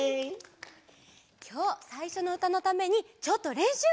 きょうさいしょのうたのためにちょっとれんしゅう！